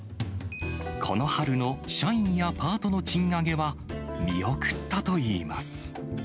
この春の社員やパートの賃上げは、見送ったといいます。